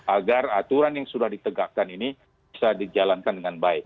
agar aturan yang sudah ditegakkan ini bisa dijalankan dengan baik